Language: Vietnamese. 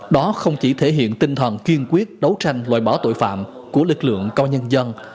đó không chỉ thể hiện tinh thần kiên quyết đấu tranh loại bỏ tội phạm của lực lượng công an nhân dân